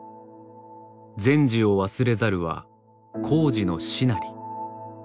「前事を忘れざるは後事の師なり」。